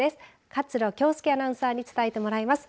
勝呂恭佑アナウンサーに伝えてもらいます。